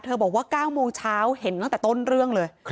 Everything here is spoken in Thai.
บอกว่า๙โมงเช้าเห็นตั้งแต่ต้นเรื่องเลย